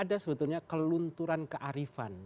ada sebetulnya kelunturan keadaan yang berlaku di dalam konteks ini